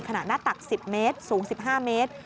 หน้าตัก๑๐เมตรสูง๑๕เมตร